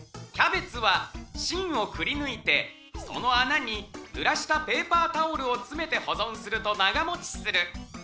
「キャベツはしんをくりぬいてそのあなにぬらしたペーパータオルをつめてほぞんするとながもちする」